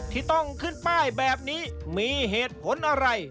ที่ต้องขึ้นป้ายแบบนี้มีเหตุผลอะไร